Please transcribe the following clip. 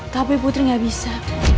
tapi putri gak bisa